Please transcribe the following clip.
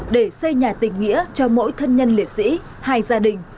để xây nhà tình nghĩa cho mỗi thân nhân liệt sĩ hai gia đình